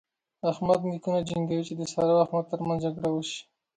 احمد نوکان جنګوي چې د سارا او احمد تر منځ جګړه وشي.